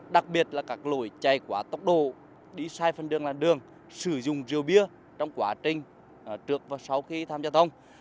đặc biệt là các lỗi chạy quá tốc độ đi sai phần đường làn đường sử dụng rượu bia trong quá trình trước và sau khi tham gia thông